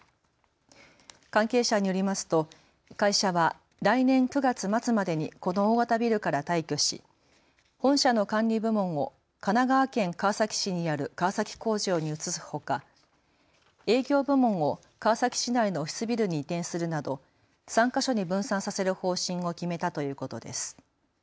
関係者によりますと会社は来年９月末までにこの大型ビルから退去し本社の管理部門を神奈川県川崎市にある川崎工場に移すほか、営業部門を川崎市内のオフィスビルに移転するなど３か所に分散させる方針を決めたということです。